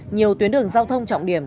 nhiều tuyến đường giao thông trọng điểm